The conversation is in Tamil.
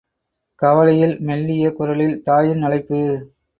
கவலையில் மெல்லிய குரலில் தாயின் அழைப்பு.